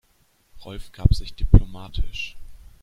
Rolf gab sich diplomatisch.